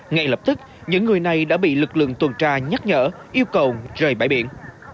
ngay lập tức những người này đã bị lực lượng tuần tra nhắc nhở yêu cầu rời bãi biển